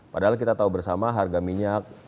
padahal kita tahu bersama harga minyak